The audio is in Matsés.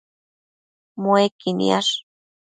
Muequi niash